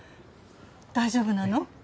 大丈夫なの？